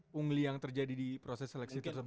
pungli yang terjadi di proses seleksi tersebut